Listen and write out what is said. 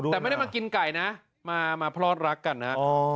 แต่ไม่ได้มากินไก่นะมาพลอดรักกันนะ